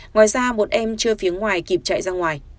ngoài ra một em chưa phía ngoài kịp chạy ra ngoài